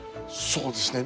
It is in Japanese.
そうですね。